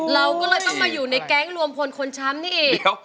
เราก็เลยต้องมาอยู่ในแก๊งรวมพลคนช้ำนี่อีก